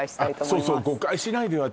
そうそう誤解しないでよ